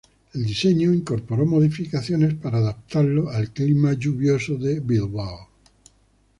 El diseño incorporó modificaciones para adaptarlo al clima lluvioso de Bilbao.